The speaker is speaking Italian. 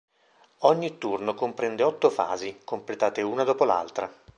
Ogni turno comprende otto fasi, completate una dopo l'altra.